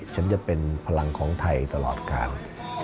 ฉันจะเป็นพลังของไทยตลอดการ